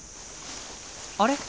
あれ？